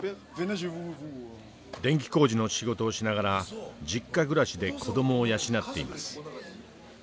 電気工事の仕事をしながら実家暮らしで子どもを養っています。